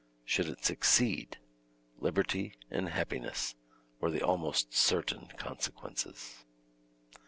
Should it succeed, liberty and happiness were the almost certain consequences.